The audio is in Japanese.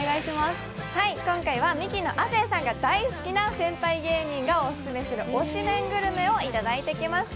今回はミキの亜生さんが大好きな先輩芸人がオススメする、推し麺グルメをいただいてきました。